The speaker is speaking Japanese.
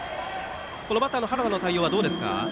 バッターの原田の対応はどうですか？